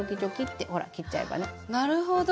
なるほど。